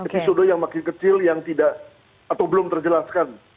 episode yang makin kecil yang tidak atau belum terjelaskan